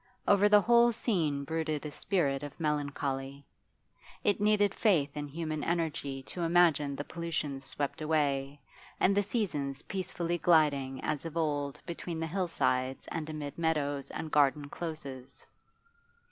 Over the whole scene brooded a spirit of melancholy. It needed faith in human energy to imagine the pollutions swept away, and the seasons peacefully gliding as of old between the hillsides and amid meadows and garden closes.